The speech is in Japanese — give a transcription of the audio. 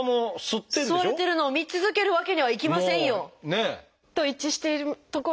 吸われてるのを見続けるわけにはいきませんよ。と一致しているところで正解はこちらです。